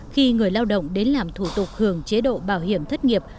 khi người lao động đến làm thủ tục hưởng chế độ bảo hiểm thất nghiệp